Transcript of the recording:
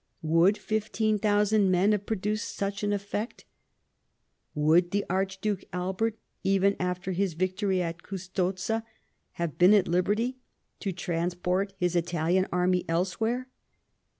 Would fifteen thousand men have produced such an effect ? Would the Archduke Albert, even after his victory at Custozza, have been at liberty to trans port his Italian army elsewhere